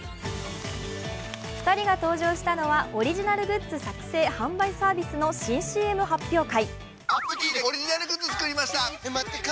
２人が登場したのはオリジナルグッズ作成・販売サービスの新ＣＭ発表会。